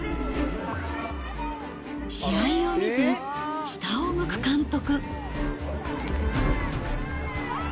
試合を見ず、下を向く監督。